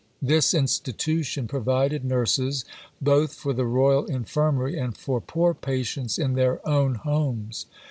This institution provided nurses both for the Royal Infirmary and for poor patients in their own homes.